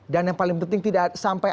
dan yang paling penting tidak sampai